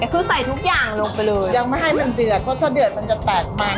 คือใส่ทุกอย่างลงไปเลยยังไม่ให้มันเดือดเพราะถ้าเดือดมันจะแตกมัน